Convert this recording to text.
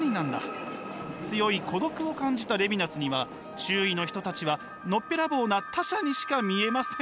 強い孤独を感じたレヴィナスには周囲の人たちはのっぺらぼうな他者にしか見えません。